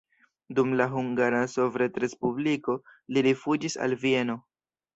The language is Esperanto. Dum la Hungara Sovetrespubliko li rifuĝis al Vieno.